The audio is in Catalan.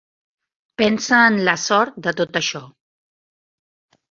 Pensa en la sort de tot això.